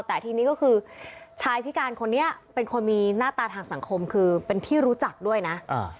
แต่ทีนี้ก็คือชายพิการคนนี้เป็นคนมีหน้าตาทางสังคมคือเป็นที่รู้จักด้วยนะ